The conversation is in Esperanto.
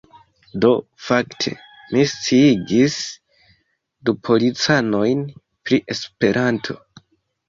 Do, fakte, mi sciigis du policanojn pri Esperanto